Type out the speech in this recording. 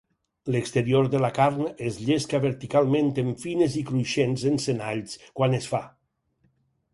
L'exterior de la carn es llesca verticalment en fines i cruixents encenalls quan es fa.